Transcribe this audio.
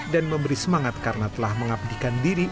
dan memberi semangat karena telah mengabdikan diri